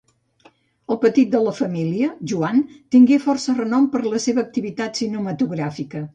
El petit de la família, Joan, tingué força renom per la seva activitat cinematogràfica.